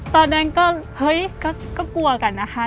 ตอนนั้นก็เกลือกันนะคะ